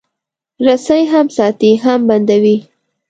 رسۍ هم ساتي، هم بندوي.